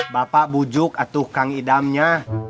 bapak bujuk atuh kang ida nya